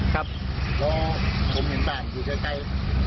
แล้วผมเห็นบ้านอยู่ใกล้